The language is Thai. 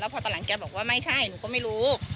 พอตอนหลังแกบอกว่าไม่ใช่หนูก็ไม่รู้